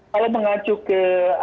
nah kalau mengacu ke